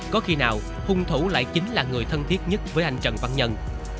có khi nào hung thủ lại chính là người thân thiết nhất với anh trần văn nhân